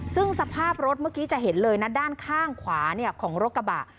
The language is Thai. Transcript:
ซึ่งสภาพรถเมื่อกี้จะเห็นเลยนะด้านข้างขวาของรถกระบะ